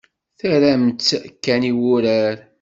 Terram-tt kan i wurar.